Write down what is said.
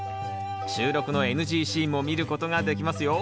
収録のＮＧシーンも見ることができますよ。